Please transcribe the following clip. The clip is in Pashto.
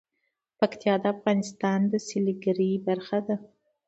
پکتیا د افغانستان د سیلګرۍ برخه ده.